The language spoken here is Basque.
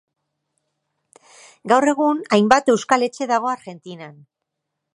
Gaur egun, hainbat euskal etxe dago Argentinan.